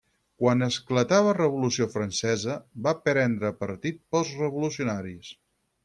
Quan esclatà la Revolució Francesa va prendre partit pels revolucionaris.